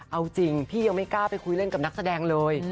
เอาจริงพี่ยังไม่กล้าไปคุยเล่นกับนักแสดงเลย